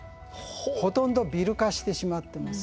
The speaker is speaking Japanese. ほとんどビル化してしまってます。